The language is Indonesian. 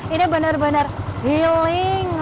ini benar benar healing